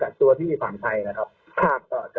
สำหรับท่านผู้ว่าก็จะขอทำหนังสือกับทางกรงคลุมใหญ่นะครับ